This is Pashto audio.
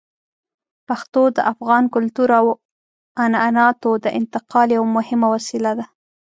پښتو د افغان کلتور او عنعناتو د انتقال یوه مهمه وسیله ده.